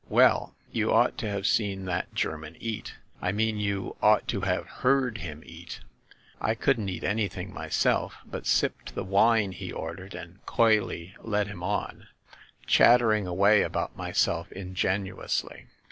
"Well, you ought to have seen that German eat, ‚ÄĒ I mean you ought to have heard him eat ! I couldn't eat anything myself; but sipped the wine he ordered and coyly led him on, chattering away about myself ingenuously.